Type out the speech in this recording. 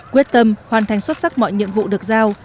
quyết tâm hoàn thành xuất sắc mọi nhiệm vụ được giao